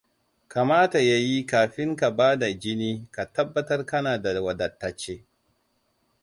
Kamata ya yi kafin ka bada jini ka tabbatar kana da wadatacce.